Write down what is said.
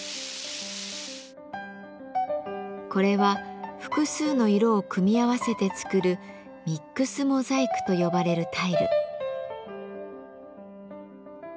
これは複数の色を組み合わせて作るミックスモザイクと呼ばれるタイル。